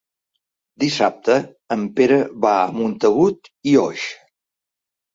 Dissabte en Pere va a Montagut i Oix.